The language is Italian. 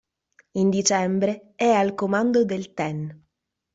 In dicembre è al comando del Ten.